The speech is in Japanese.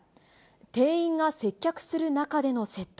店員が接客する中での窃盗。